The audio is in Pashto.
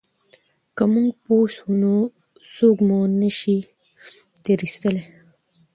که موږ پوه سو نو څوک مو نه سي تېر ایستلای.